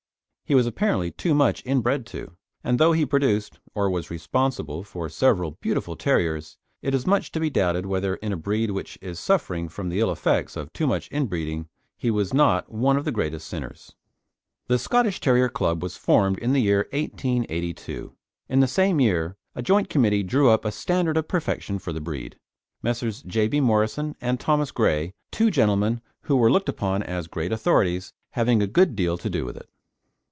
He was apparently too much inbred to, and though he produced or was responsible for several beautiful terriers, it is much to be doubted whether in a breed which is suffering from the ill effects of too much inbreeding, he was not one of the greatest sinners. The Scottish Terrier Club was formed in the year 1882. In the same year a joint committee drew up a standard of perfection for the breed, Messrs. J. B. Morison and Thomson Gray, two gentlemen who were looked upon as great authorities, having a good deal to do with it.